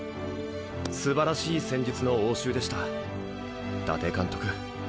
すばらしい戦術の応酬でした伊達監督。